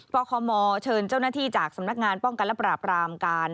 คมเชิญเจ้าหน้าที่จากสำนักงานป้องกันและปราบรามการ